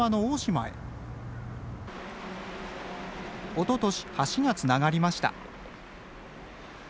おととし橋がつながりました。